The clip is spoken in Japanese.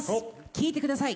聴いてください